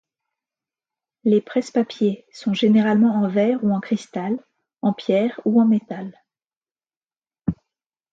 Les presse-papiers sont généralement en verre ou en cristal, en pierre ou en métal.